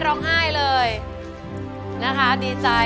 ร้องได้